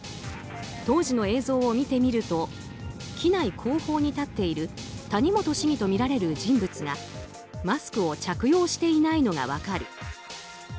当時の映像を見てみると機内後方に立っている谷本市議とみられる人物がマスクを着用していないのが分かる。